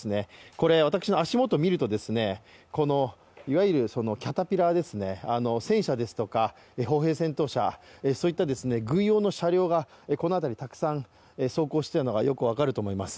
これ、私の足元を見るといわゆるキャタピラーですね、戦車ですとか歩兵戦闘車、そういった軍用の車両がこの辺りにたくさん走行しているのがよく分かると思います。